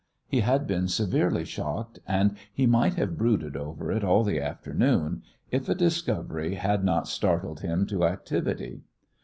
He had been severely shocked, and he might have brooded over it all the afternoon, if a discovery had not startled him to activity.